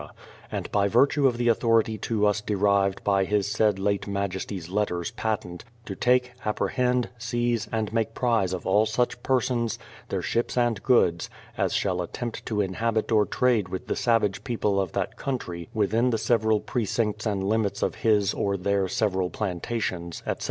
And by virtue of the authority to us derived by his said late majesty's letters patent, to take, apprehend, seize, and make prize of all such persons, their ships and goods, as shall attempt to inhabit or trade with the savage people of that country within the several precincts and limits of his or their several plantations, etc.